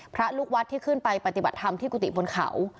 พระลูกวัดที่ขึ้นไปปฏิบัติธรรมที่กุฏิบนเขา